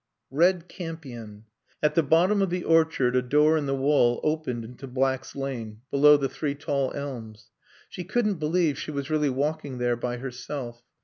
Red campion At the bottom of the orchard a door in the wall opened into Black's Lane, below the three tall elms. She couldn't believe she was really walking there by herself.